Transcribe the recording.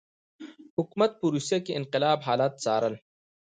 حکومت په روسیه کې انقلاب حالات څارل.